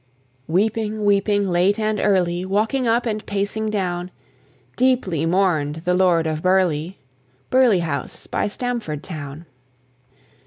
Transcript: Weeping, weeping late and early, Walking up and pacing down, Deeply mourn'd the Lord of Burleigh, Burleigh house by Stamford town.